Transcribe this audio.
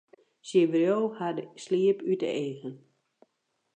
Sy wreau har de sliep út de eagen.